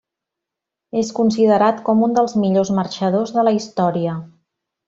És considerat com un dels millors marxadors de la història.